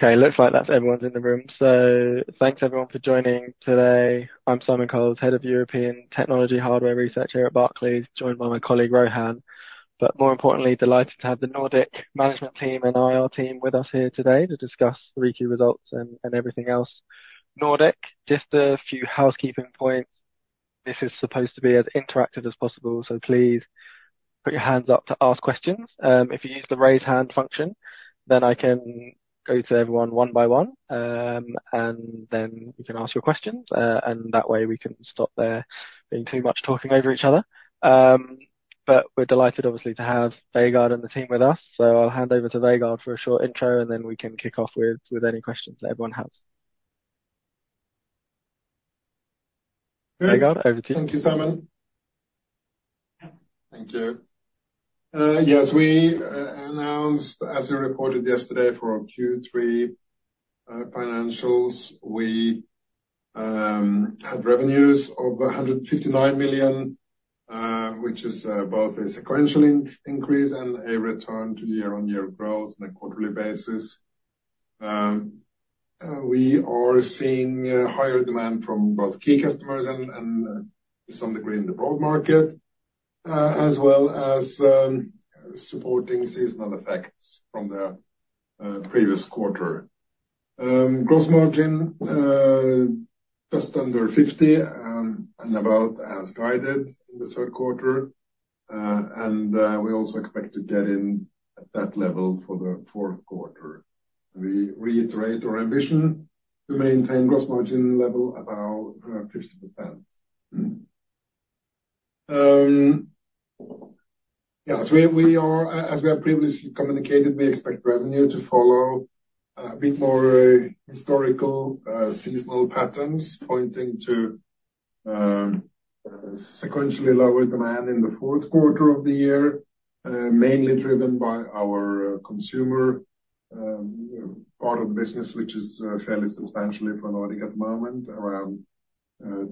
Okay, looks like that's everyone's in the room. So thanks everyone for joining today. I'm Simon Coles, head of European Technology Hardware Research here at Barclays, joined by my colleague, Rohan. But more importantly, delighted to have the Nordic management team and IR team with us here today to discuss the Q3 results and everything else. Nordic, just a few housekeeping points. This is supposed to be as interactive as possible, so please put your hands up to ask questions. If you use the raise hand function, then I can go to everyone one by one, and then you can ask your questions, and that way we can stop there being too much talking over each other. But we're delighted, obviously, to have Vegard and the team with us. So I'll hand over to Vegard for a short intro, and then we can kick off with any questions that everyone has. Vegard, over to you. Thank you, Simon. Thank you. Yes, we announced, as we reported yesterday for our Q3 financials, we had revenues of $159 million, which is both a sequential increase and a return to year-on-year growth on a quarterly basis. We are seeing higher demand from both key customers and to some degree in the broad market, as well as supporting seasonal effects from the previous quarter. Gross margin just under 50%, and about as guided in the third quarter. We also expect to get in at that level for the fourth quarter. We reiterate our ambition to maintain gross margin level about 50%. Yes, as we have previously communicated, we expect revenue to follow a bit more historical seasonal patterns, pointing to sequentially lower demand in the fourth quarter of the year, mainly driven by our consumer part of the business, which is fairly substantially for Nordic at the moment, around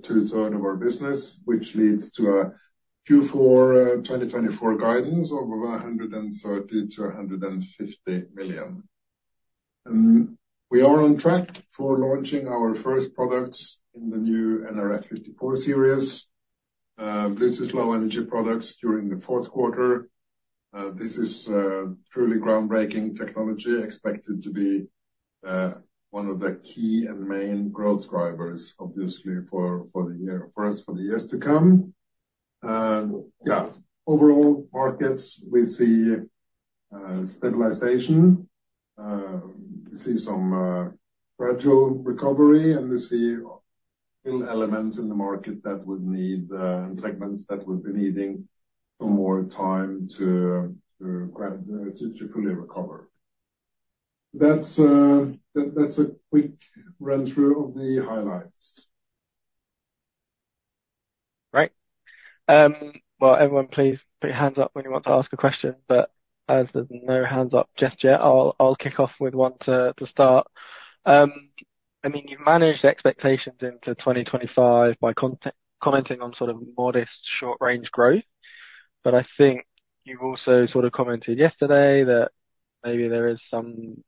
two-thirds of our business, which leads to a Q4 2024 guidance of over $130 million-$150 million. We are on track for launching our first products in the new nRF54 series Bluetooth Low Energy products during the fourth quarter. This is truly groundbreaking technology, expected to be one of the key and main growth drivers, obviously for the year for us for the years to come. And yeah, overall markets, we see stabilization. We see some gradual recovery, and we see little elements in the market that would need and segments that would be needing some more time to fully recover. That's a quick run through of the highlights. Great. Well, everyone, please put your hands up when you want to ask a question, but as there's no hands up just yet, I'll kick off with one to start. I mean, you've managed expectations into twenty twenty-five by commenting on sort of modest short-range growth, but I think you've also sort of commented yesterday that maybe there is some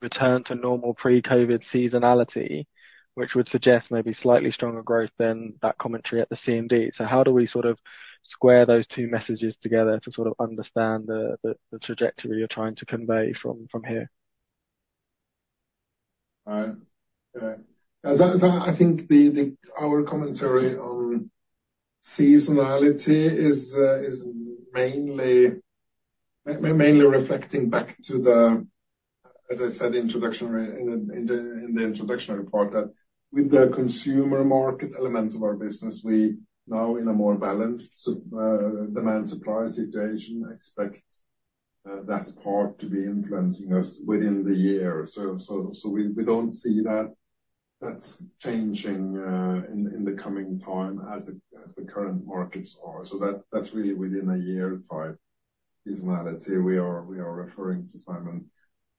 return to normal pre-COVID seasonality, which would suggest maybe slightly stronger growth than that commentary at the CMD. So how do we sort of square those two messages together to sort of understand the trajectory you're trying to convey from here? Yeah. As I think, our commentary on seasonality is mainly reflecting back to the, as I said, introduction in the introductory part that with the consumer market elements of our business, we now in a more balanced supply-demand situation expect that part to be influencing us within the year. We don't see that that's changing in the coming time as the current markets are. That's really within a year type seasonality we are referring to, Simon.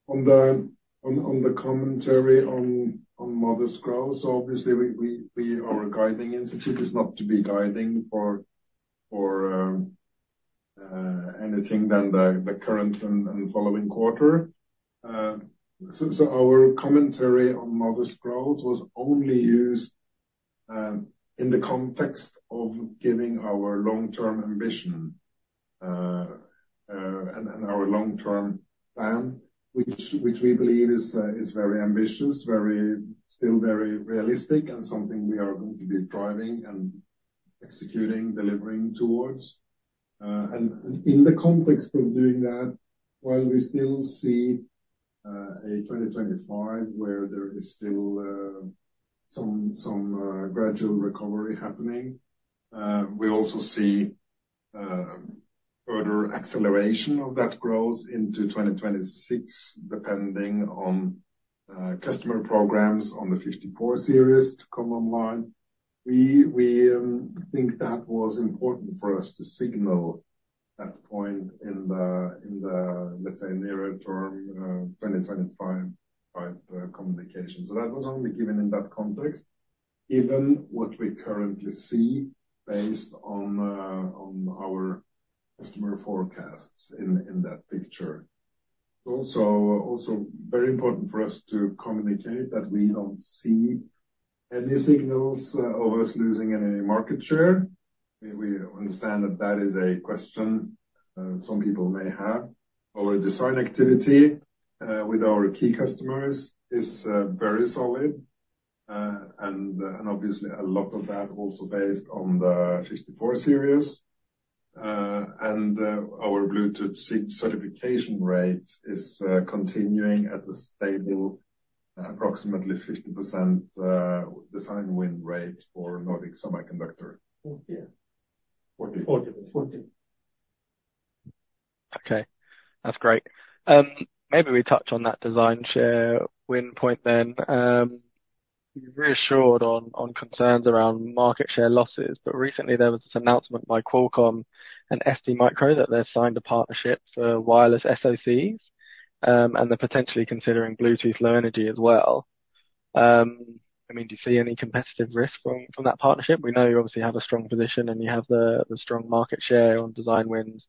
On the commentary on modest growth, obviously, we are a guiding institute. It's not to be guiding for anything than the current and following quarter. So our commentary on modest growth was only used in the context of giving our long-term ambition and our long-term plan, which we believe is very ambitious, still very realistic, and something we are going to be driving and executing, delivering toward. And in the context of doing that, while we still see a 2025, where there is still some gradual recovery happening, we also see further acceleration of that growth into 2026, depending on customer programs on the 54 series to come online. We think that was important for us to signal that point in the, let's say, nearer term, 2025 communication. So that was only given in that context. even what we currently see based on our customer forecasts in that picture. Also very important for us to communicate that we don't see any signals of us losing any market share. We understand that is a question some people may have. Our design activity with our key customers is very solid. And obviously a lot of that also based on the nRF54 series. And our Bluetooth certification rate is continuing at a stable, approximately 50% design win rate for Nordic Semiconductor. 40. 40, 40. Okay, that's great. Maybe we touch on that design share win point then. Reassured on concerns around market share losses, but recently there was this announcement by Qualcomm and STMicro that they've signed a partnership for wireless SoCs, and they're potentially considering Bluetooth Low Energy as well. I mean, do you see any competitive risk from that partnership? We know you obviously have a strong position, and you have the strong market share on design wins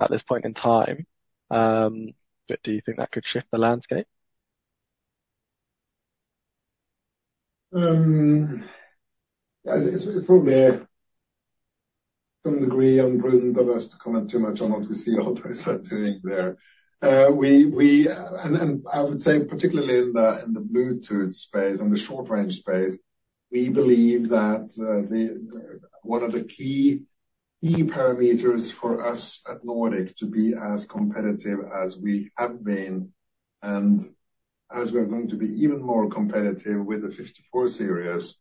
at this point in time. But do you think that could shift the landscape? It's probably some degree unpleasant for us to comment too much on what we see others are doing there. I would say particularly in the Bluetooth space, in the short-range space, we believe that one of the key parameters for us at Nordic to be as competitive as we have been, and as we are going to be even more competitive with the nRF54 series,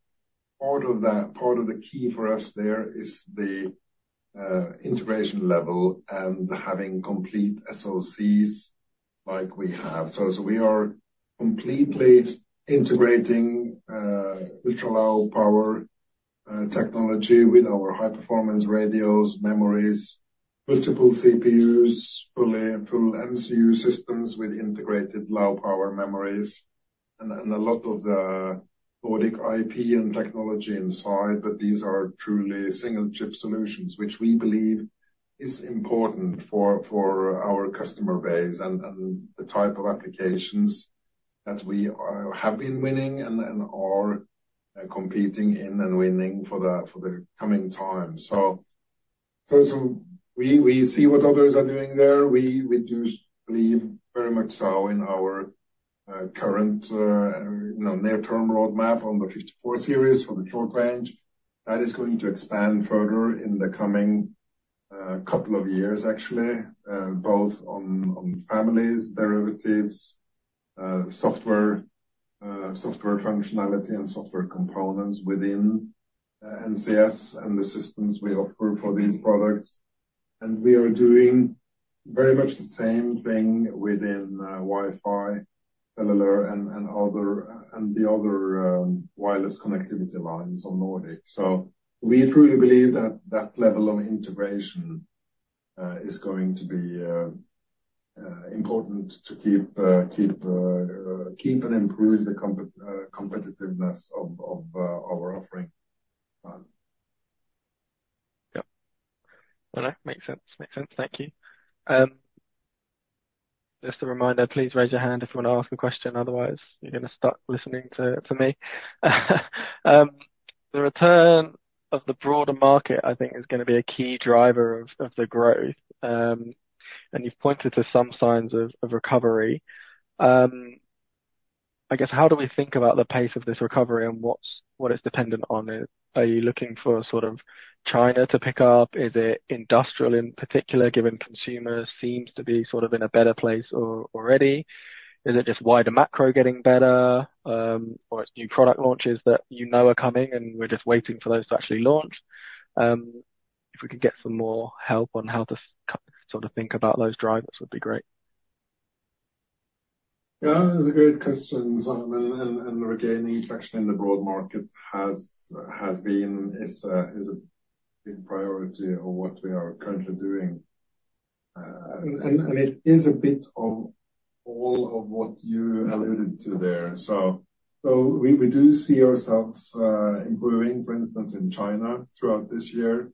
part of the key for us there is the integration level and having complete SoCs like we have. So we are completely integrating ultra-low power technology with our high-performance radios, memories, multiple CPUs, full MCU systems with integrated low-power memories, and a lot of the Nordic IP and technology inside. But these are truly single-chip solutions, which we believe is important for our customer base and the type of applications that we have been winning and are competing in and winning for the coming time. So we see what others are doing there. We do believe very much so in our current you know near-term roadmap on the 54 series for the short range. That is going to expand further in the coming couple of years, actually, both on families, derivatives, software functionality and software components within NCS and the systems we offer for these products. And we are doing very much the same thing within Wi-Fi, LLR and the other wireless connectivity lines on Nordic. So we truly believe that that level of integration is going to be important to keep and improve the competitiveness of our offering. Yep. Well, that makes sense. Makes sense. Thank you. Just a reminder, please raise your hand if you want to ask a question, otherwise you're going to start listening to me. The return of the broader market, I think, is going to be a key driver of the growth. And you've pointed to some signs of recovery. I guess, how do we think about the pace of this recovery, and what it's dependent on? Are you looking for sort of China to pick up? Is it industrial in particular, given consumers seems to be sort of in a better place already? Is it just wider macro getting better, or it's new product launches that you know are coming, and we're just waiting for those to actually launch? If we could get some more help on how to sort of think about those drivers, would be great. Yeah, that's a great question, Simon, and regaining traction in the broad market has been, is a big priority of what we are currently doing. And it is a bit of all of what you alluded to there. So we do see ourselves improving, for instance, in China throughout this year,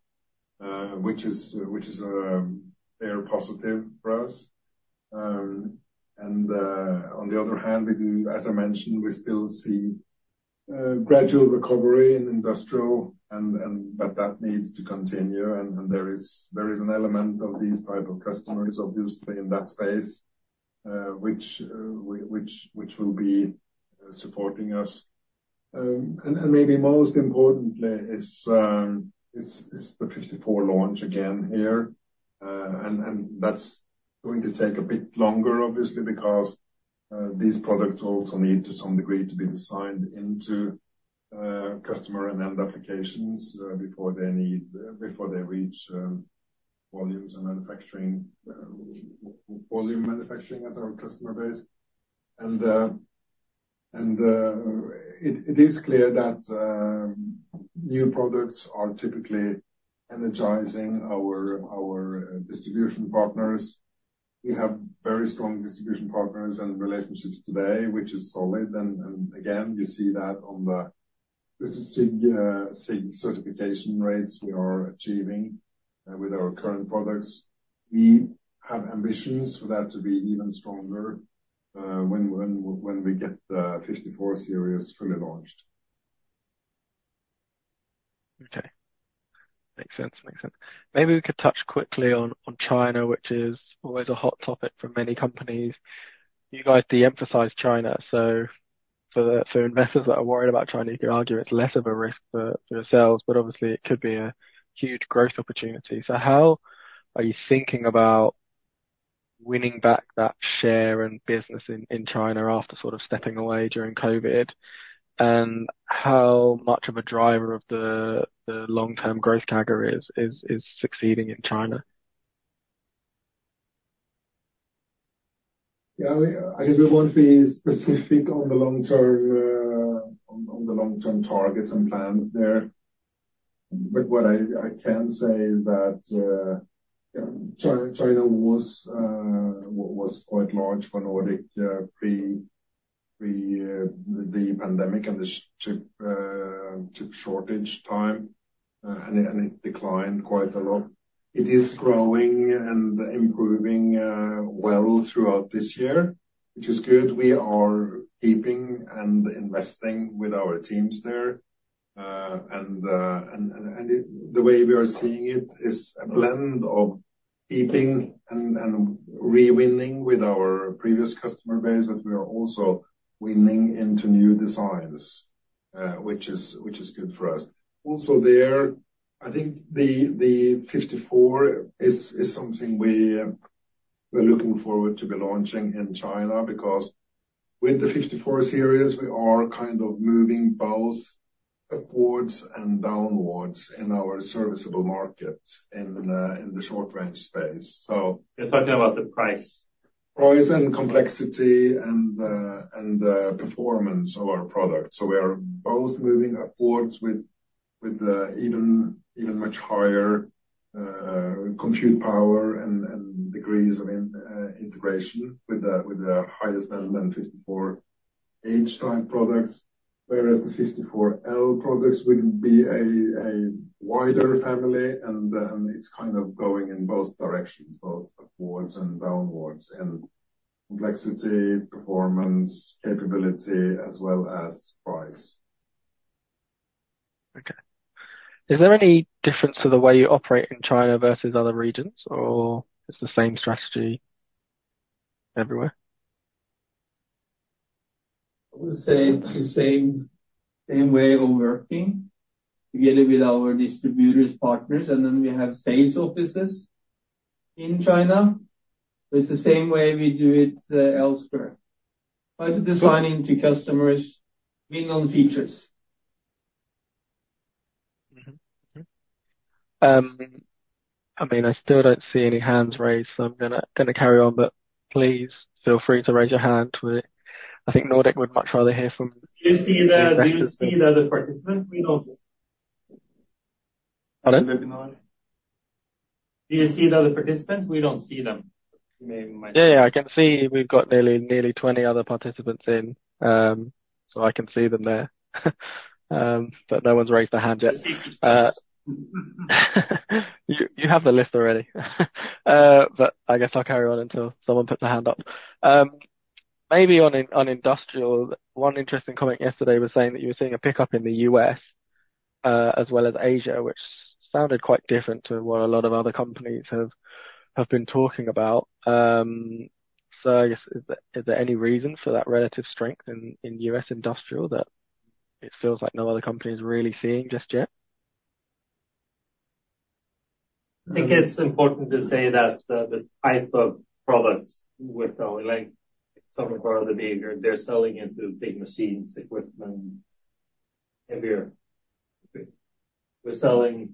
which is a very positive for us. And on the other hand, we do, as I mentioned, we still see gradual recovery in industrial, but that needs to continue, and there is an element of these type of customers, obviously, in that space, which will be supporting us. And maybe most importantly is the 54 launch again here. And that's going to take a bit longer, obviously, because these products also need to some degree to be designed into customer and end applications before they reach volume manufacturing at our customer base. And it is clear that new products are typically energizing our distribution partners... We have very strong distribution partners and relationships today, which is solid. And again, you see that on the SIG certification rates we are achieving with our current products. We have ambitions for that to be even stronger when we get the 54 series fully launched. Okay. Makes sense. Makes sense. Maybe we could touch quickly on China, which is always a hot topic for many companies. You guys de-emphasized China, so that investors that are worried about China, you could argue it's less of a risk for the sales, but obviously it could be a huge growth opportunity. So how are you thinking about winning back that share and business in China after sort of stepping away during COVID? And how much of a driver of the long-term growth target is succeeding in China? Yeah, I don't want to be specific on the long term, on the long-term targets and plans there. But what I can say is that, China was quite large for Nordic, pre the pandemic and the chip shortage time, and it declined quite a lot. It is growing and improving well throughout this year, which is good. We are keeping and investing with our teams there. And the way we are seeing it is a blend of keeping and re-winning with our previous customer base, but we are also winning into new designs, which is good for us. Also, there, I think the 54 is something we're looking forward to be launching in China, because with the 54 series, we are kind of moving both upwards and downwards in our serviceable market in the short-range space. So- You're talking about the price? Price and complexity and the performance of our product. So we are both moving upwards with the even much higher compute power and degrees of integration with the highest element, 54H-type products, whereas the 54L products would be a wider family, and it's kind of going in both directions, both upwards and downwards in complexity, performance, capability, as well as price. Okay. Is there any difference to the way you operate in China versus other regions, or it's the same strategy everywhere? I would say it's the same, same way of working, together with our distributors, partners, and then we have sales offices in China. It's the same way we do it, elsewhere. By designing to customers, win on features. Mm-hmm. Mm-hmm. I mean, I still don't see any hands raised, so I'm gonna carry on, but please feel free to raise your hand. I think Nordic would much rather hear from- Do you see the other participants? We don't- Pardon? Do you see the other participants? We don't see them. Yeah, yeah, I can see we've got nearly, nearly 20 other participants in, so I can see them there. But no one's raised their hand yet. You have the list already, but I guess I'll carry on until someone puts their hand up, maybe on industrial, one interesting comment yesterday was saying that you were seeing a pickup in the U.S., as well as Asia, which sounded quite different to what a lot of other companies have been talking about, so I guess, is there any reason for that relative strength in U.S. industrial that it feels like no other company is really seeing just yet? I think it's important to say that the type of products ours like some of our other peers, they're selling into big machines, equipment, heavier. We're selling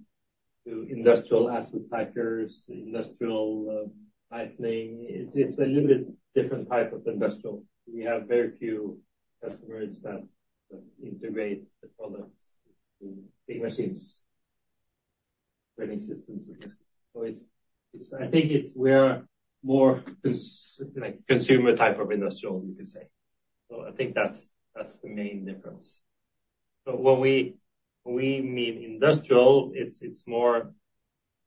to industrial asset trackers, industrial positioning. It's a little bit different type of industrial. We have very few customers that integrate the products in big machines, running systems. So I think we're more consumer type of industrial, you could say. So I think that's the main difference. But when we mean industrial, it's more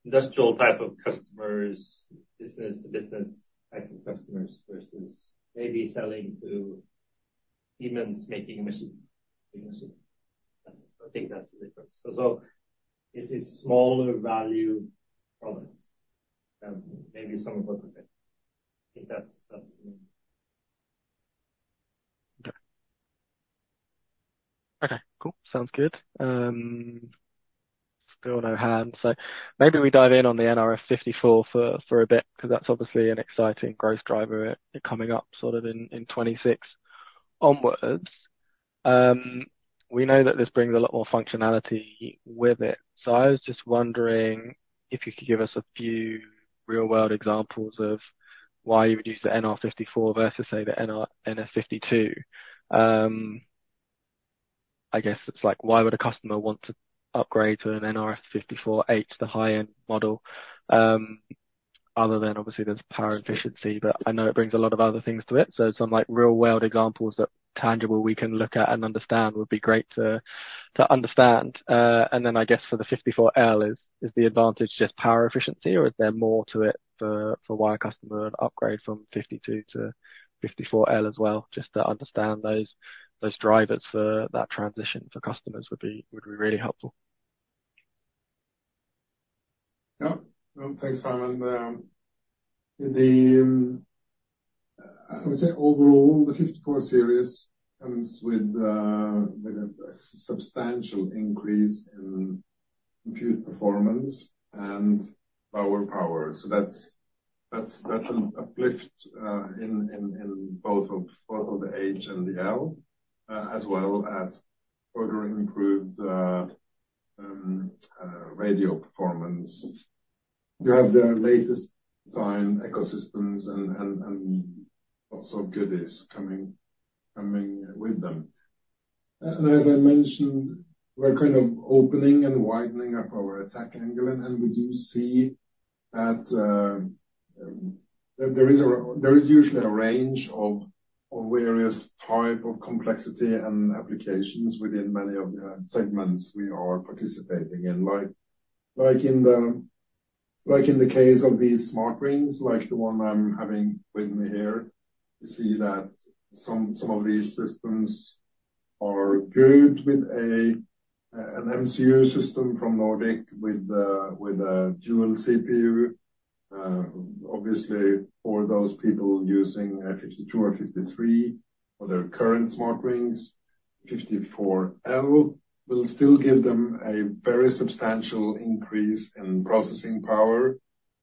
industrial type of customers, business to business type of customers, versus maybe selling to consumers, making a machine for a human. That's I think that's the difference. So it's smaller value products than maybe some of our competitors. I think that's the main. Okay. Okay, cool. Sounds good. Still no hands, so maybe we dive in on the nRF54 for a bit, because that's obviously an exciting growth driver coming up sort of in 2026 onwards. We know that this brings a lot more functionality with it. So I was just wondering if you could give us a few real-world examples of why you would use the nRF54 versus, say, the nRF52. I guess it's like, why would a customer want to upgrade to an nRF54H, the high-end model? Other than obviously, there's power efficiency, but I know it brings a lot of other things to it. So some, like, real-world examples that are tangible we can look at and understand would be great to understand. And then I guess for the 54L, is the advantage just power efficiency, or is there more to it for why a customer would upgrade from fifty-two to 54L as well? Just to understand those drivers for that transition for customers would be really helpful. Yeah. Thanks, Simon. I would say overall, the 54L series comes with a substantial increase in compute performance and power. So that's an uplift in both of the H and the L, as well as further improved radio performance. You have the latest design ecosystems and lots of goodies coming with them. And as I mentioned, we're kind of opening and widening up our attack angle, and we do see that there is usually a range of various type of complexity and applications within many of the segments we are participating in. Like in the case of these smart rings, like the one I'm having with me here, you see that some of these systems are good with an MCU system from Nordic with a dual CPU. Obviously, for those people using a fifty-two or fifty-three for their current smart rings, 54L will still give them a very substantial increase in processing power,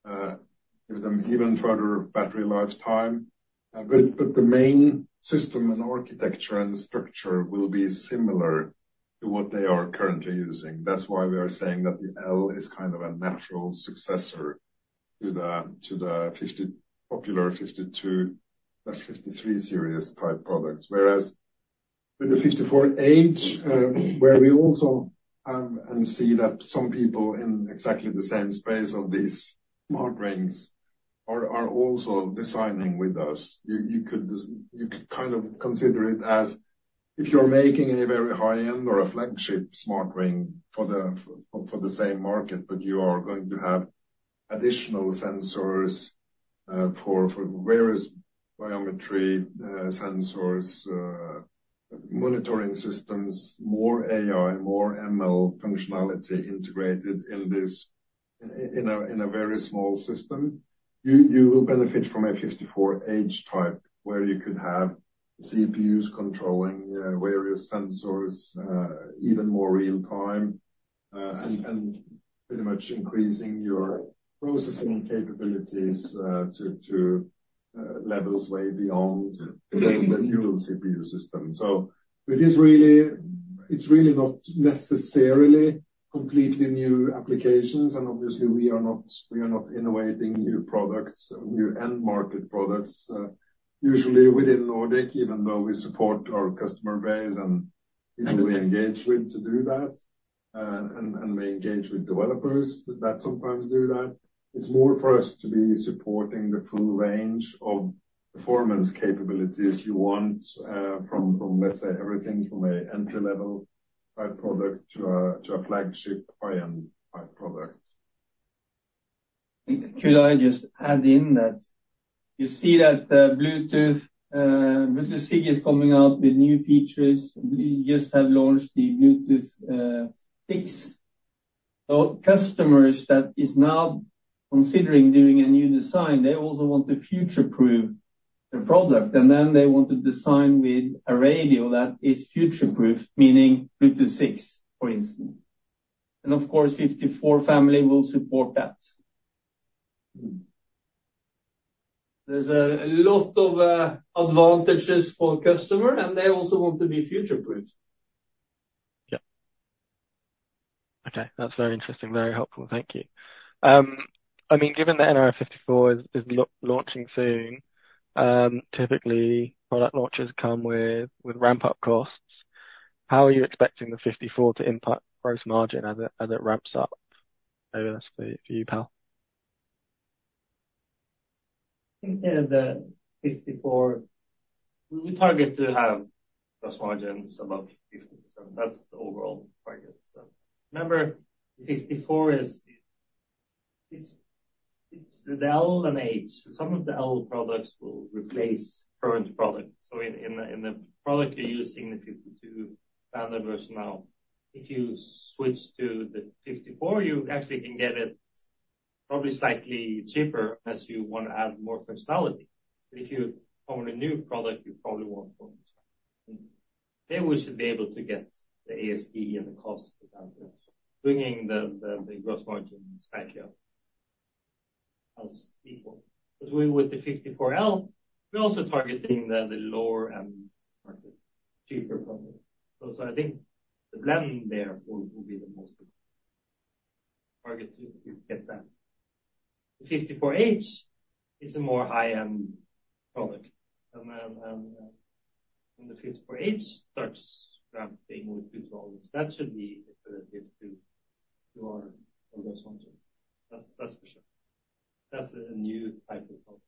give them even further battery lifetime, but the main system and architecture and structure will be similar to what they are currently using. That's why we are saying that the L is kind of a natural successor to the popular fifty-two, the fifty-three series type products. Whereas with the 54 H, where we also have and see that some people in exactly the same space of these smart rings are also designing with us. You could kind of consider it as if you're making a very high-end or a flagship smart ring for the same market, but you are going to have additional sensors for various biometry sensors monitoring systems, more AI, more ML functionality integrated in this, in a very small system, you will benefit from a 54 H type, where you could have CPUs controlling various sensors even more real time, and pretty much increasing your processing capabilities to levels way beyond the dual CPU system. So it is really, it's really not necessarily completely new applications, and obviously, we are not innovating new products, new end market products. Usually within Nordic, even though we support our customer base and people we engage with to do that, and we engage with developers that sometimes do that, it's more for us to be supporting the full range of performance capabilities you want, from, let's say, everything from a entry-level type product to a flagship high-end type product. Could I just add in that you see that, Bluetooth, Bluetooth SIG is coming out with new features. We just have launched the Bluetooth 6. So customers that is now considering doing a new design, they also want to future-proof their product, and then they want to design with a radio that is future-proof, meaning Bluetooth six, for instance. And of course, 54 family will support that. There's a lot of, advantages for customer, and they also want to be future-proof. Yeah. Okay, that's very interesting. Very helpful. Thank you. I mean, given the nRF54 is launching soon, typically, product launches come with ramp-up costs. How are you expecting the nRF54 to impact gross margin as it ramps up? Maybe that's for you, Pål. In the nRF54, we target to have gross margins above 50%. That's the overall target. Remember, the nRF54 is the L and H. Some of the L products will replace current products. In the product you're using the nRF52 standard version now. If you switch to the nRF54, you actually can get it probably slightly cheaper as you want to add more functionality. But if you own a new product, you probably want more. Then we should be able to get the ASP and the cost down, bringing the gross margin slightly up as equal. But we with the nRF54L, we're also targeting the lower end market, cheaper product. I think the blend there will be the most important target to get that. The nRF54H is a more high-end product, and then, when the nRF54H starts ramping with good volumes, that should be equivalent to our other functions. That's for sure. That's a new type of product.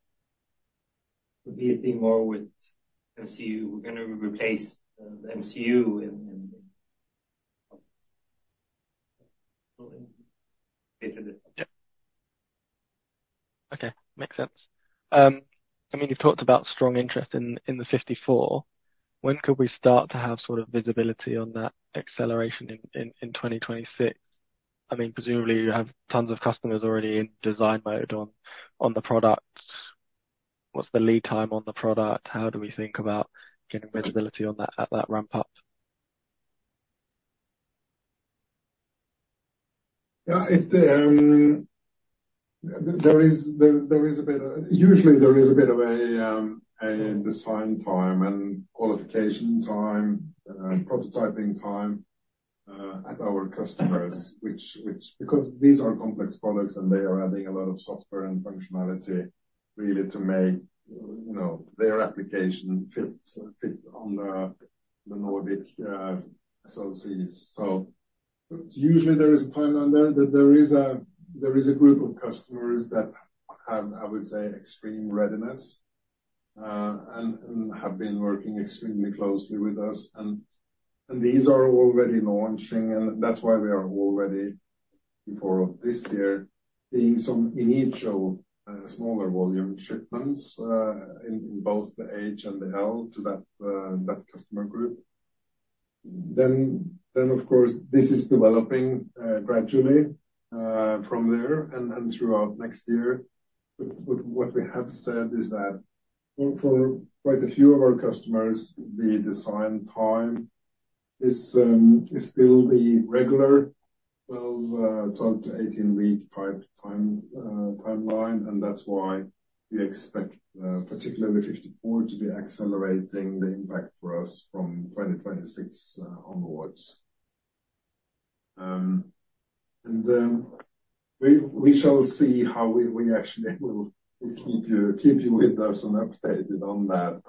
Would be a bit more with MCU. We're gonna replace the MCU in. Okay, makes sense. I mean, you've talked about strong interest in the 54. When could we start to have sort of visibility on that acceleration in 2026? I mean, presumably, you have tons of customers already in design mode on the products. What's the lead time on the product? How do we think about getting visibility on that, at that ramp-up? Yeah, it, there is a bit of-- Usually there is a bit of a design time and qualification time, prototyping time, at our customers, which-- Because these are complex products, and they are adding a lot of software and functionality really to make, you know, their application fit on the Nordic SoCs. So usually there is a timeline there, that there is a group of customers that have, I would say, extreme readiness, and have been working extremely closely with us, and these are already launching, and that's why we are already, before this year, seeing some initial smaller volume shipments, in both the H and the L to that customer group. Of course, this is developing gradually from there and throughout next year. But what we have said is that for quite a few of our customers, the design time is still the regular 12-18-week type timeline, and that's why we expect particularly 54 to be accelerating the impact for us from 2026 onwards. And we shall see how we actually will keep you with us and updated on that.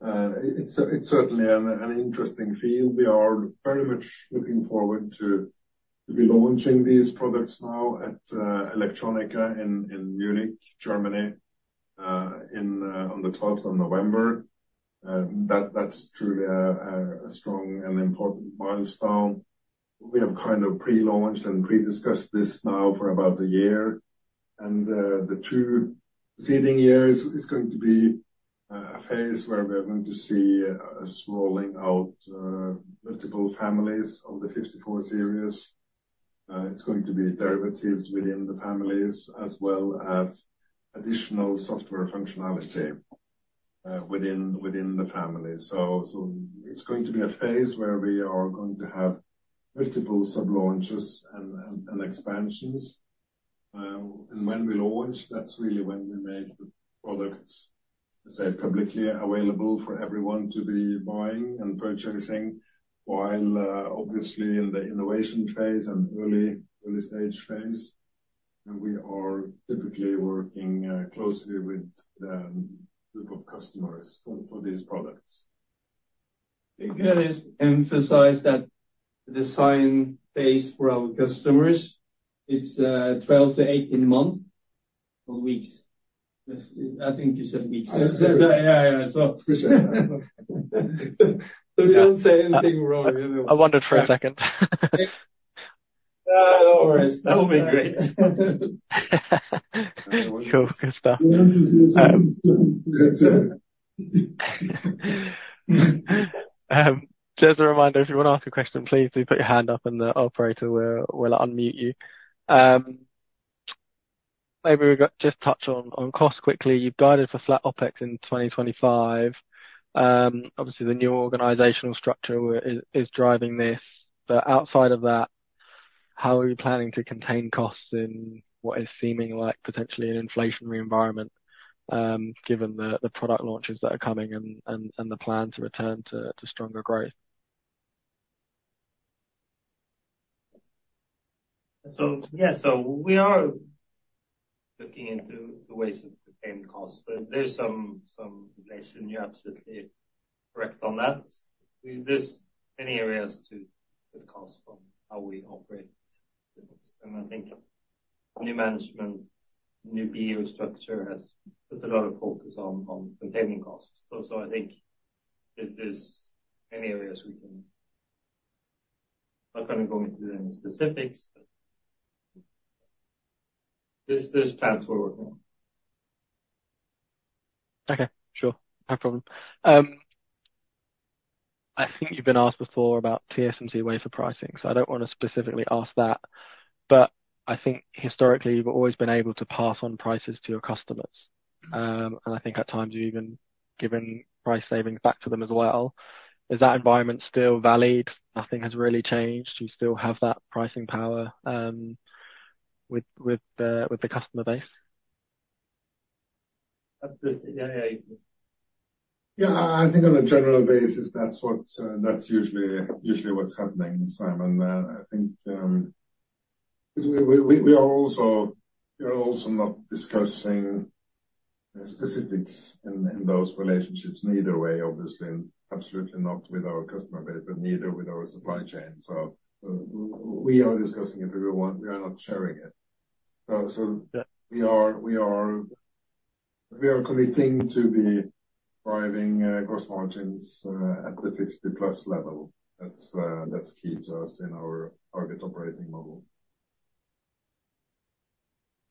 But it's certainly an interesting field. We are very much looking forward to be launching these products now at Electronica in Munich, Germany, on the twelfth of November. That's truly a strong and important milestone. We have kind of pre-launched and pre-discussed this now for about a year, and the two succeeding years is going to be a phase where we are going to see a rolling out multiple families of the 54 series. It's going to be derivatives within the families, as well as additional software functionality within the family. It's going to be a phase where we are going to have multiple sub launches and expansions. And when we launch, that's really when we make the products say publicly available for everyone to be buying and purchasing, while obviously in the innovation phase and early stage phase, and we are typically working closely with the group of customers for these products. Can I just emphasize that the design phase for our customers, it's, twelve to eighteen months or weeks? I think you said weeks. Yeah, yeah. So we don't say anything wrong. I wondered for a second. No worries. That would be great. Cool. Good stuff. Just a reminder, if you want to ask a question, please do put your hand up, and the operator will unmute you. Maybe we've got to just touch on costs quickly. You've guided for flat OpEx in twenty twenty-five. Obviously, the new organizational structure is driving this, but outside of that, how are you planning to contain costs in what is seeming like potentially an inflationary environment, given the product launches that are coming and the plan to return to stronger growth? Yeah, so we are looking into the ways of containing costs. There's some inflation. You're absolutely correct on that. We. There's many areas to cut costs on how we operate, and I think new management, new BU structure has put a lot of focus on containing costs. So I think if there's any areas we can. I'm not going to go into any specifics. There's plans forward. Okay, sure. No problem. I think you've been asked before about TSMC wafer pricing, so I don't want to specifically ask that, but I think historically, you've always been able to pass on prices to your customers. And I think at times, you've even given price savings back to them as well. Is that environment still valid? Nothing has really changed. You still have that pricing power, with the customer base? Absolutely. Yeah, yeah. Yeah, I think on a general basis, that's usually what's happening, Simon. I think we are also not discussing specifics in those relationships either way, obviously, and absolutely not with our customer base, but neither with our supply chain. So we are discussing it, but we want, we are not sharing it. So Yeah. We are committing to driving gross margins at the 50+ level. That's key to us in our target operating model.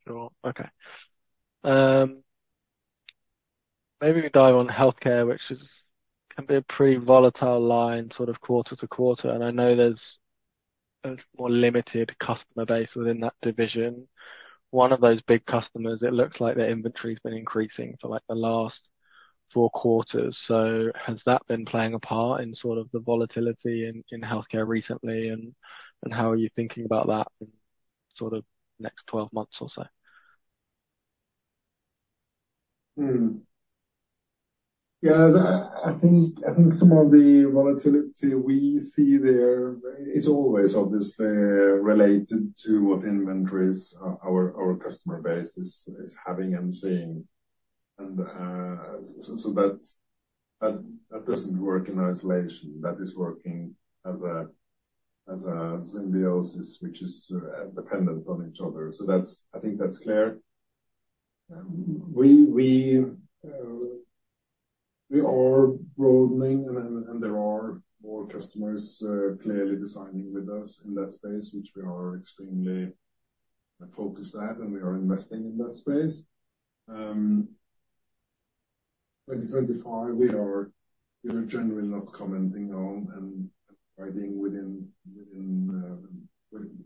Sure. Okay. Maybe we dive on healthcare, which is, can be a pretty volatile line, sort of quarter to quarter, and I know there's a more limited customer base within that division. One of those big customers, it looks like their inventory's been increasing for, like, the last four quarters. So has that been playing a part in sort of the volatility in healthcare recently, and how are you thinking about that in sort of next twelve months or so? Hmm. Yeah, I think some of the volatility we see there is always obviously related to what inventories our customer base is having and seeing. So that doesn't work in isolation. That is working as a symbiosis, which is dependent on each other. So that's. I think that's clear. We are broadening, and then and there are more customers clearly designing with us in that space, which we are extremely focused at, and we are investing in that space. 2025, we are generally not commenting on and guiding within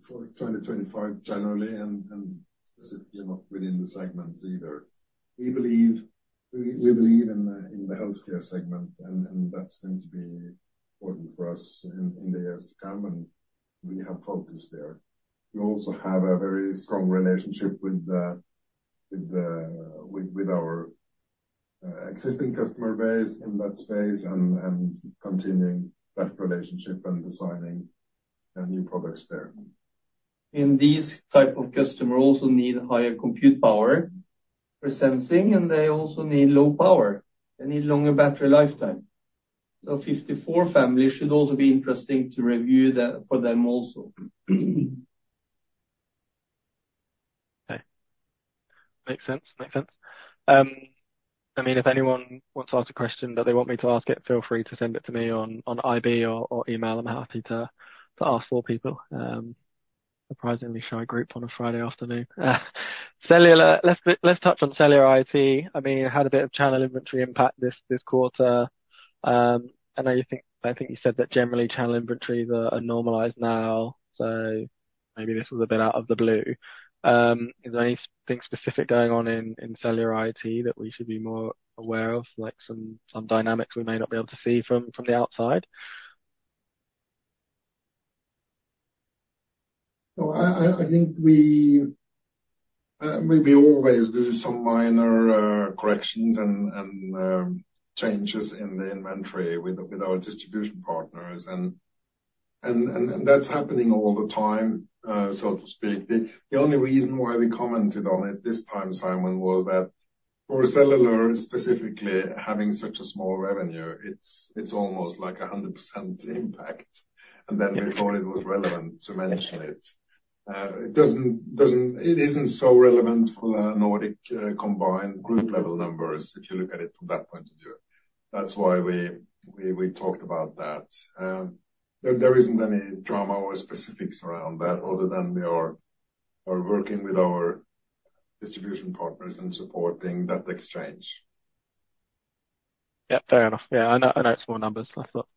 for 2025 generally, and specifically, not within the segments either. We believe in the healthcare segment, and that's going to be important for us in the years to come, and we have focus there. We also have a very strong relationship with our existing customer base in that space and continuing that relationship and designing new products there. These type of customer also need higher compute power for sensing, and they also need low power. They need longer battery lifetime. So 54 family should also be interesting, relevant for them also. Okay. Makes sense. Makes sense. I mean, if anyone wants to ask a question that they want me to ask it, feel free to send it to me on IB or email. I'm happy to ask for people. Surprisingly shy group on a Friday afternoon. Cellular. Let's touch on cellular IoT. I mean, you had a bit of channel inventory impact this quarter. I know you think I think you said that generally, channel inventories are normalized now, so maybe this was a bit out of the blue. Is there anything specific going on in cellular IoT that we should be more aware of, like some dynamics we may not be able to see from the outside? No, I think we always do some minor corrections and changes in the inventory with our distribution partners, and that's happening all the time, so to speak. The only reason why we commented on it this time, Simon, was that for cellular, specifically having such a small revenue, it's almost like a 100% impact, and then we thought it was relevant to mention it. Sure. It doesn't – it isn't so relevant for the Nordic, combined group level numbers, if you look at it from that point of view. That's why we talked about that. There isn't any drama or specifics around that, other than we are working with our distribution partners and supporting that exchange. Yeah, fair enough. Yeah, I know, I know it's small numbers. I thought...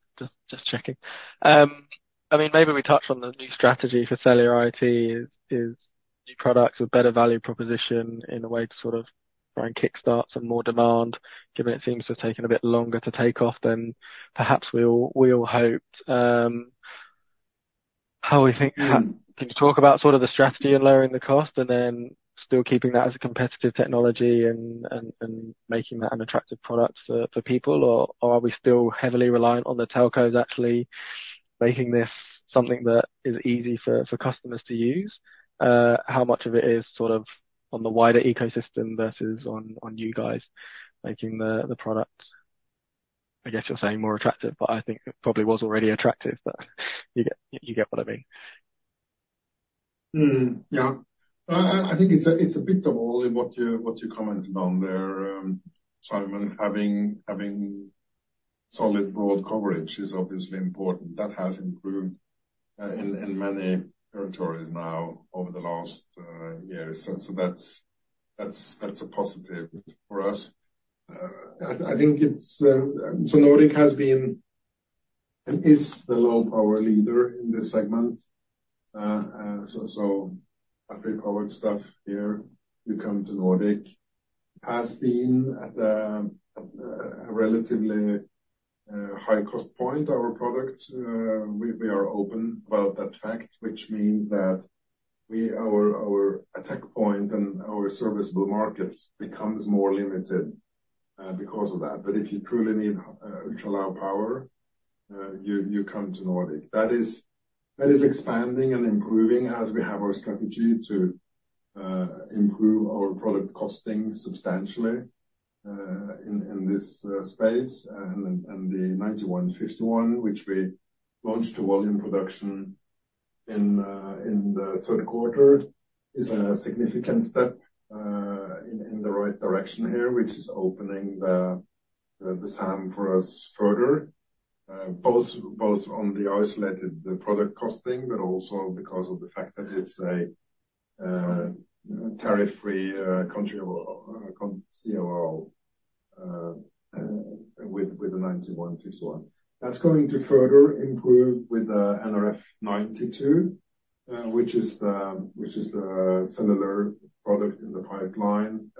Just checking. I mean, maybe we touch on the new strategy for cellular IoT is new products with better value proposition in a way to sort of try and kick-start some more demand, given it seems to have taken a bit longer to take off than perhaps we all hoped. How we think- Mm. Can you talk about sort of the strategy in lowering the cost and then still keeping that as a competitive technology and making that an attractive product for people? Or are we still heavily reliant on the telcos actually making this something that is easy for customers to use? How much of it is sort of on the wider ecosystem versus on you guys making the product, I guess you're saying, more attractive, but I think it probably was already attractive, but you get what I mean. Hmm. Yeah. I think it's a, it's a bit of all in what you, what you commented on there, Simon. Having solid, broad coverage is obviously important. That has improved in many territories now over the last years. So that's a positive for us. I think it's... So Nordic has been, and is the low-power leader in this segment. So battery-powered stuff here, you come to Nordic, has been at a relatively high cost point, our product. We are open about that fact, which means that our attack point and our serviceable market becomes more limited because of that. But if you truly need ultra-low power, you come to Nordic. That is expanding and improving as we have our strategy to improve our product costing substantially in this space. And the nRF9151, which we launched a volume production in the third quarter, is a significant step in the right direction here, which is opening the SAM for us further, both on the isolated, the product costing, but also because of the fact that it's a tariff-free country or CL with the nRF9151. That's going to further improve with the nRF92, which is the similar product in the pipeline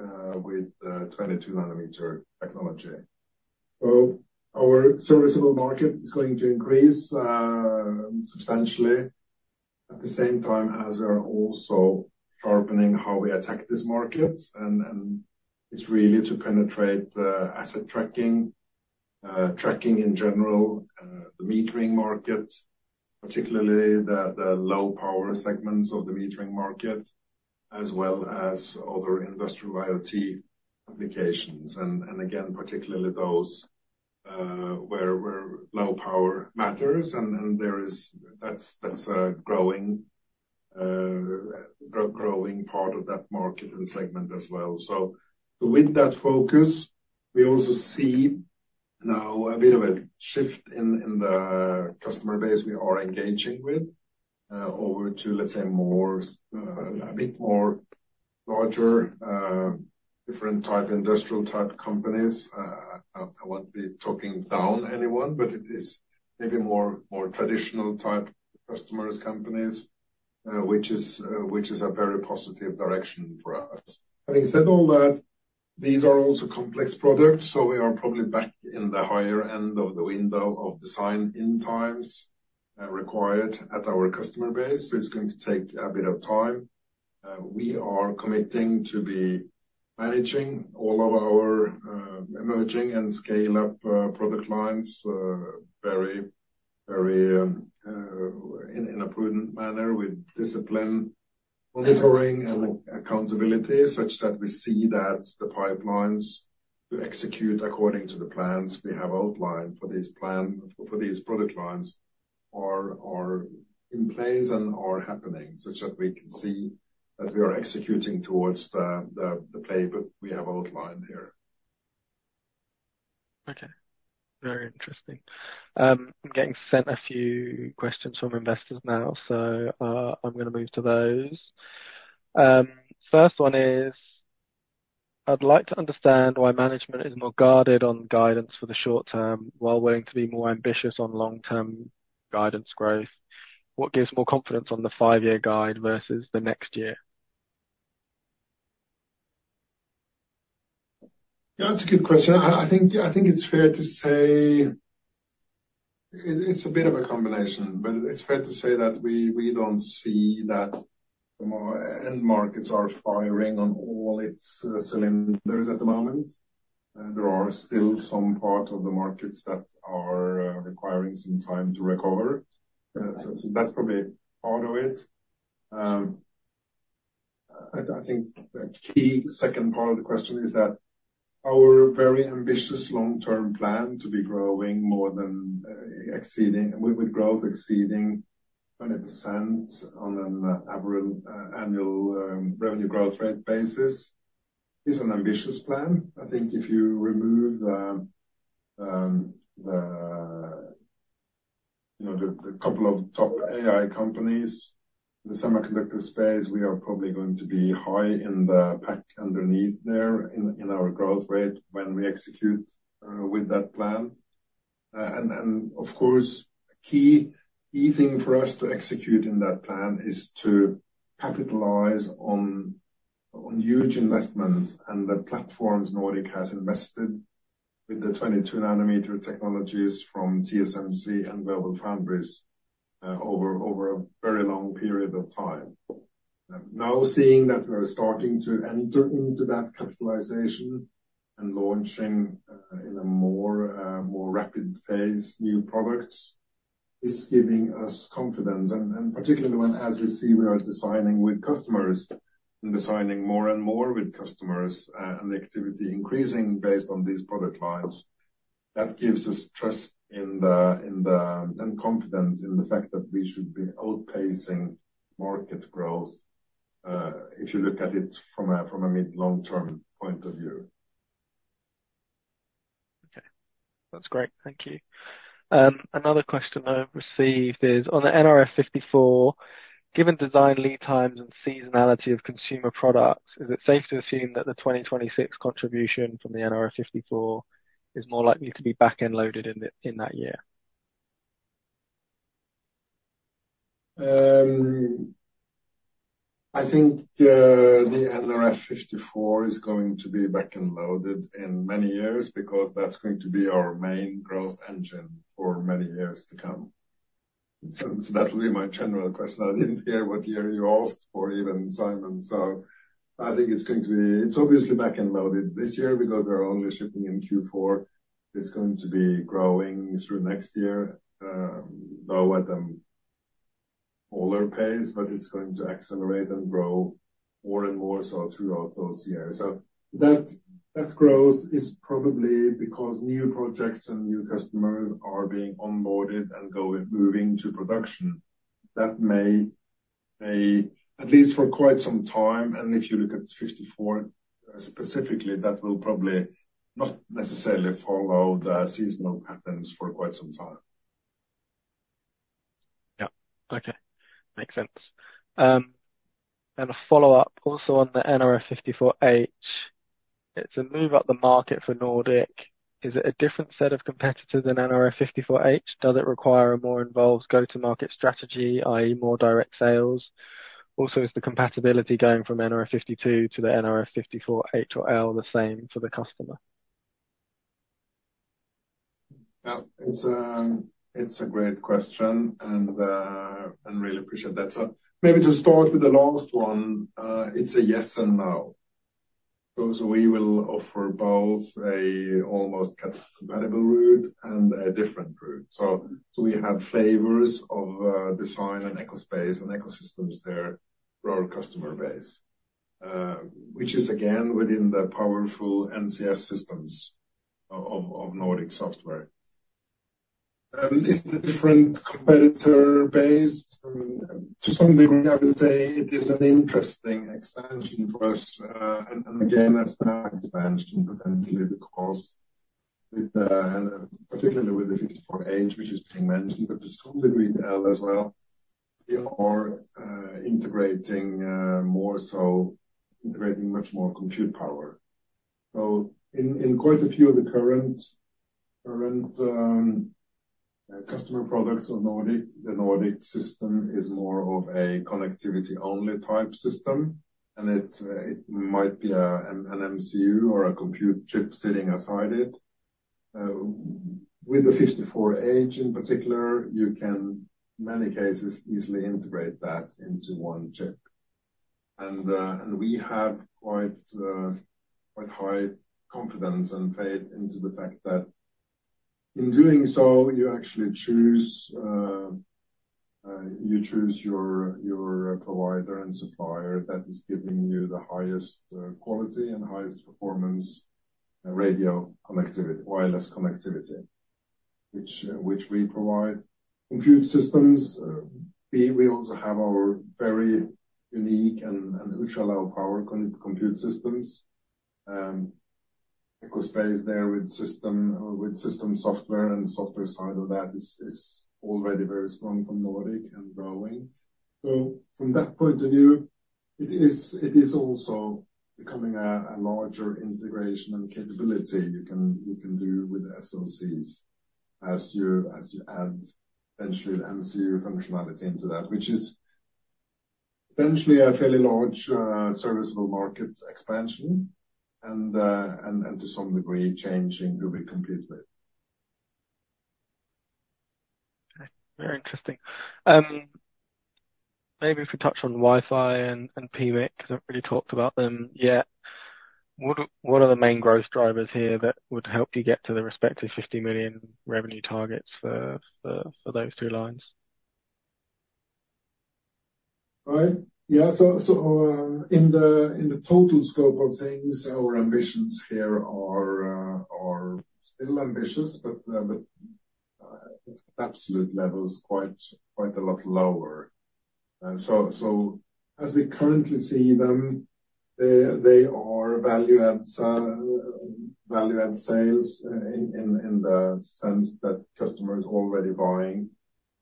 with the 22 nanometer technology. So our serviceable market is going to increase substantially at the same time as we are also sharpening how we attack this market, and it's really to penetrate the asset tracking, tracking in general, the metering market, particularly the low power segments of the metering market, as well as other industrial IoT applications. And again, particularly those where low power matters, and there is... That's a growing part of that market and segment as well. So with that focus, we also see now a bit of a shift in the customer base we are engaging with over to, let's say, more a bit more larger different type, industrial-type companies. I won't be talking down anyone, but it is maybe more traditional type customers, companies, which is a very positive direction for us. Having said all that, these are also complex products, so we are probably back in the higher end of the window of design-in times required at our customer base. So it's going to take a bit of time. We are committing to be managing all of our emerging and scale-up product lines very in a prudent manner with discipline, monitoring and accountability, such that we see that the pipelines to execute according to the plans we have outlined for this plan, for these product lines, are in place and are happening, such that we can see that we are executing towards the playbook we have outlined here. Okay, very interesting. I'm getting sent a few questions from investors now, so, I'm going to move to those. First one is: I'd like to understand why management is more guarded on guidance for the short term, while willing to be more ambitious on long-term guidance growth. What gives more confidence on the five-year guide versus the next year? Yeah, that's a good question. I think it's fair to say it's a bit of a combination, but it's fair to say that we don't see that the end markets are firing on all its cylinders at the moment. There are still some parts of the markets that are requiring some time to recover. So that's probably part of it. I think the key second part of the question is that our very ambitious long-term plan to be growing more than with growth exceeding 20% on an annual revenue growth rate basis is an ambitious plan. I think if you remove the, you know, the couple of top AI companies, the semiconductor space, we are probably going to be high in the pack underneath there in our growth rate when we execute with that plan, and of course, a key thing for us to execute in that plan is to capitalize on huge investments and the platforms Nordic has invested with the 22 nanometer technologies from TSMC and GlobalFoundries over a very long period of time. Now, seeing that we are starting to enter into that capitalization and launching in a more rapid phase new products is giving us confidence. And particularly when, as we see, we are designing with customers and designing more and more with customers, and activity increasing based on these product lines, that gives us trust in the... and confidence in the fact that we should be outpacing market growth, if you look at it from a, from a mid, long-term point of view. Okay. That's great. Thank you. Another question I've received is: on the nRF54, given design lead times and seasonality of consumer products, is it safe to assume that the 2026 contribution from the nRF54 is more likely to be back-end loaded in that year?... I think, the nRF54 is going to be back-loaded in many years because that's going to be our main growth engine for many years to come. So that will be my general question. I didn't hear what year you asked for even, Simon, so I think it's going to be. It's obviously back-loaded this year because we're only shipping in Q4. It's going to be growing through next year, though at a slower pace, but it's going to accelerate and grow more and more so throughout those years. So that growth is probably because new projects and new customers are being onboarded and moving to production. That may at least for quite some time, and if you look at nRF54 specifically, that will probably not necessarily follow the seasonal patterns for quite some time. Yeah. Okay. Makes sense. And a follow-up, also on the nRF54H, it's a move up the market for Nordic. Is it a different set of competitors than nRF54H? Does it require a more involved go-to-market strategy, i.e., more direct sales? Also, is the compatibility going from nRF52 to the nRF54H or L the same for the customer? Yeah, it's a great question, and I really appreciate that. Maybe to start with the last one, it's a yes and no. We will offer both an almost compatible route and a different route. We have flavors of design and ecosystem space and ecosystems there for our customer base, which is again within the powerful NCS systems of Nordic software. Is it a different competitor base? To some degree, I would say it is an interesting expansion for us. And again, that's an expansion, potentially because, particularly with the 54H, which is being mentioned, but to some degree, the L as well, we are integrating much more compute power. So in quite a few of the current customer products on Nordic, the Nordic system is more of a connectivity-only type system, and it might be an MCU or a compute chip sitting aside it. With the 54H in particular, you can in many cases easily integrate that into one chip. And we have quite high confidence and faith into the fact that in doing so, you actually choose your provider and supplier that is giving you the highest quality and highest performance radio connectivity, wireless connectivity, which we provide. Compute systems, we also have our very unique and ultra-low power compute systems. Ecosystem there with system software and software side of that is already very strong from Nordic and growing. From that point of view, it is also becoming a larger integration and capability you can do with SoCs as you add eventually MCU functionality into that, which is eventually a fairly large serviceable market expansion and, to some degree, changing completely. Very interesting. Maybe if we touch on Wi-Fi and PMIC, we haven't really talked about them yet. What are the main growth drivers here that would help you get to the respective fifty million revenue targets for those two lines? Right. Yeah, so in the total scope of things, our ambitions here are still ambitious, but absolute level is quite a lot lower. So as we currently see them, they are value add sales in the sense that customers already buying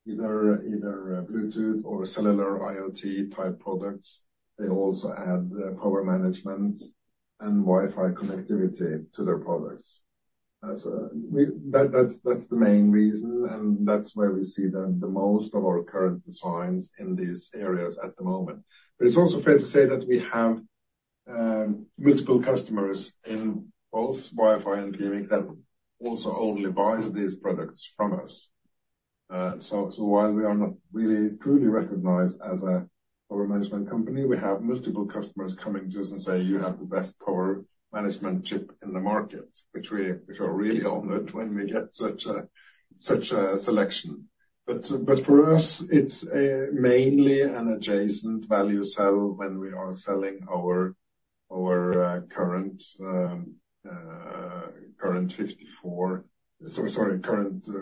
either a Bluetooth or cellular IoT-type products. They also add the power management and Wi-Fi connectivity to their products. That is the main reason, and that's where we see the most of our current designs in these areas at the moment. But it's also fair to say that we have multiple customers in both Wi-Fi and PMIC that also only buys these products from us. While we are not really truly recognized as a power management company, we have multiple customers coming to us and say, "You have the best power management chip in the market," which we are really honored when we get such a selection. But for us, it's mainly an adjacent value-add when we are selling our current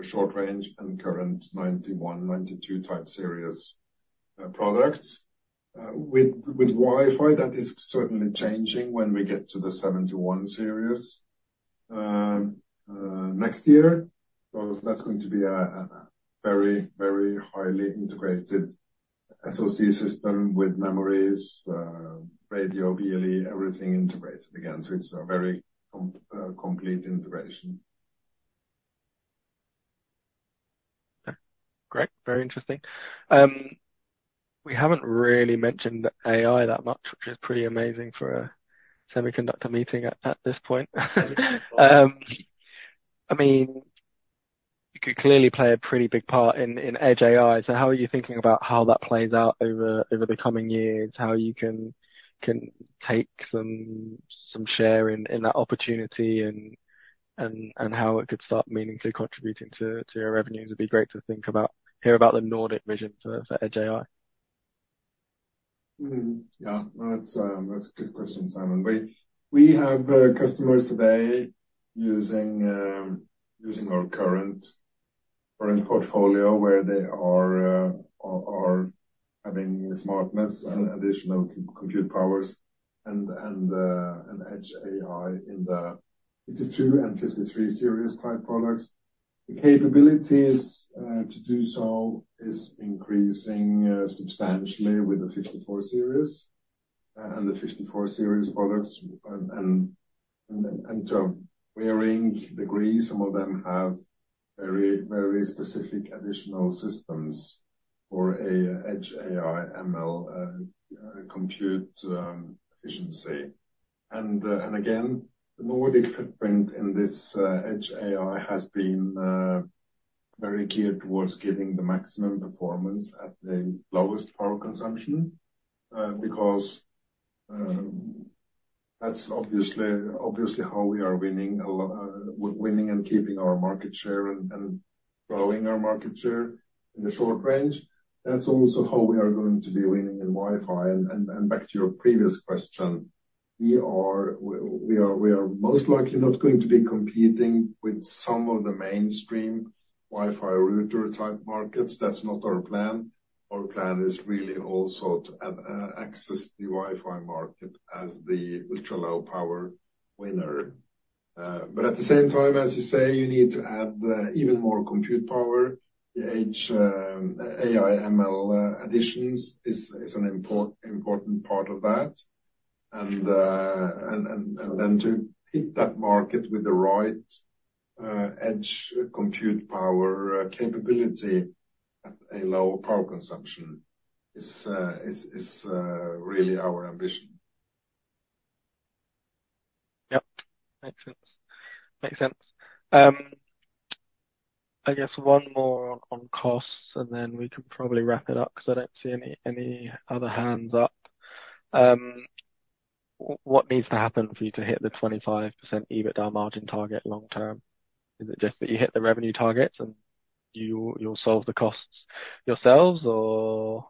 short range and current ninety-one, ninety-two type series products. With Wi-Fi, that is certainly changing when we get to the seventy-one series next year. That's going to be a very, very highly integrated SoC system with memories, radio, BLE, everything integrated again. So it's a very complete integration.... Great, very interesting. We haven't really mentioned AI that much, which is pretty amazing for a semiconductor meeting at this point. I mean, it could clearly play a pretty big part in edge AI. So how are you thinking about how that plays out over the coming years? How you can take some share in that opportunity and how it could start meaningfully contributing to your revenues? It'd be great to think about, hear about the Nordic vision for edge AI. Mm-hmm. Yeah, that's a good question, Simon. We have customers today using our current portfolio, where they are having smartness and additional compute powers and edge AI in the fifty-two and fifty-three series type products. The capabilities to do so is increasing substantially with the 54 series and the 54 series products. And to varying degrees, some of them have very, very specific additional systems for an edge AI, ML, compute efficiency. And again, the Nordic footprint in this edge AI has been very geared towards giving the maximum performance at the lowest power consumption, because that's obviously how we are winning and keeping our market share and growing our market share in the short range. That's also how we are going to be winning in Wi-Fi, and back to your previous question, we are most likely not going to be competing with some of the mainstream Wi-Fi router type markets. That's not our plan. Our plan is really also to access the Wi-Fi market as the ultra-low power winner, but at the same time, as you say, you need to add even more compute power. The edge AI, ML additions is an important part of that, and then to hit that market with the right edge compute power capability at a lower power consumption is really our ambition. Yep. Makes sense. Makes sense. I guess one more on costs, and then we could probably wrap it up, because I don't see any other hands up. What needs to happen for you to hit the 25% EBITDA margin target long term? Is it just that you hit the revenue targets, and you, you'll solve the costs yourselves, or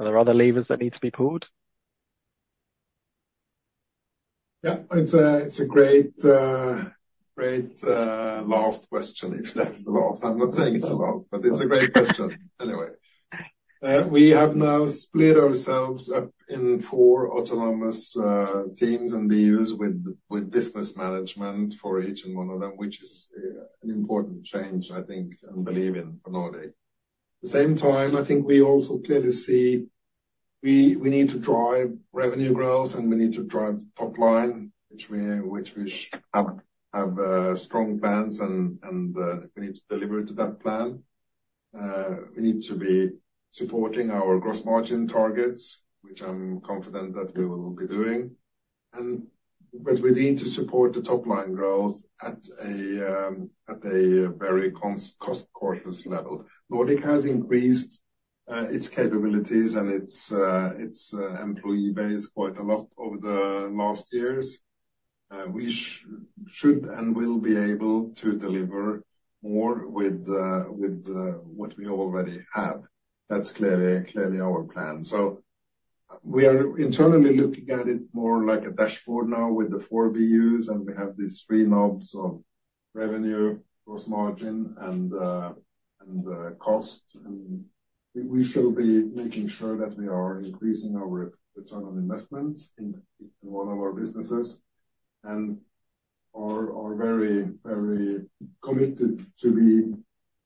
are there other levers that need to be pulled? Yeah, it's a great, great last question, if that's the last. I'm not saying it's the last, but it's a great question anyway. We have now split ourselves up in four autonomous teams and BUs with business management for each one of them, which is an important change, I think, and believe in for Nordic. At the same time, I think we also clearly see we need to drive revenue growth, and we need to drive top line, which we have strong plans, and we need to deliver to that plan. We need to be supporting our gross margin targets, which I'm confident that we will be doing. But we need to support the top-line growth at a very cost-conscious level. Nordic has increased its capabilities and its employee base quite a lot over the last years. We should and will be able to deliver more with what we already have. That's clearly our plan. We are internally looking at it more like a dashboard now with the four BUs, and we have these three knobs of revenue, gross margin, and cost. We shall be making sure that we are increasing our return on investment in all of our businesses, and are very committed to be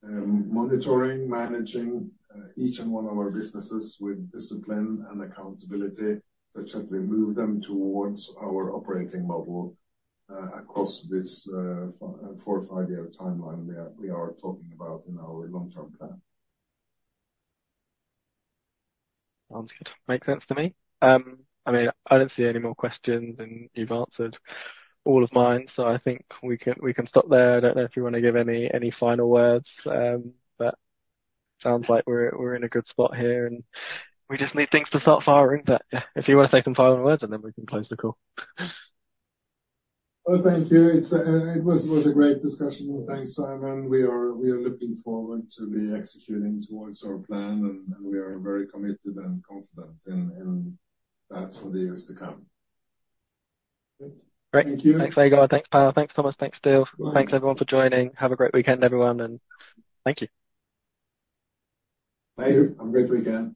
monitoring, managing each and one of our businesses with discipline and accountability, such that we move them towards our operating model across this four or five-year timeline we are talking about in our long-term plan. Sounds good. Makes sense to me. I mean, I don't see any more questions, and you've answered all of mine, so I think we can stop there. I don't know if you want to give any final words, but sounds like we're in a good spot here, and we just need things to start firing. But if you want to say some final words, and then we can close the call. Thank you. It was a great discussion, and thanks, Simon. We are looking forward to be executing towards our plan, and we are very committed and confident in that for the years to come. Great. Thank you. Thanks, Vegard. Thanks, Pål. Thanks, Thomas. Thanks, Steve. Thanks, everyone, for joining. Have a great weekend, everyone, and thank you. Bye. Have a great weekend.